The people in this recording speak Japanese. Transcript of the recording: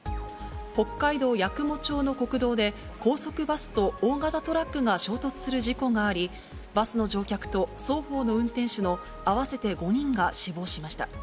北海道八雲町の国道で、高速バスと大型トラックが衝突する事故があり、バスの乗客と双方の運転手の合わせて５人が死亡しました。